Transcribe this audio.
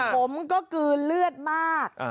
ผมก็กลืนเลือดมาก